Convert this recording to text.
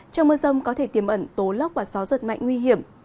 trong mưa rông có thể tiềm ẩn tố lóc và gió rất mạnh nguy hiểm